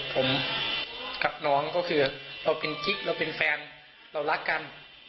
ผมกับน้องก็คือเราเป็นกิ๊กเราเป็นแฟนเรารักกัน